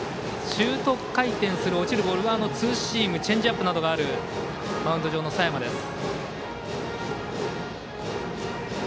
シュート回転する落ちるボールはツーシームチェンジアップなどがあるマウンド上の佐山です。